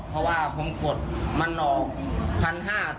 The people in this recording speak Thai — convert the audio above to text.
เพราะว่าผมกดมันออก๑๕๐๐บาท